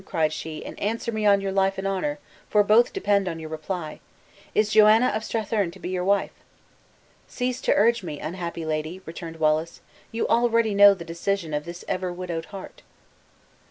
cried she, "and answer me on your life and honor, for both depend on your reply; is Joanna of Strathearn to be your wife?" "Cease to urge me, unhappy lady," returned Wallace; "you already know the decision of this ever widowed heart."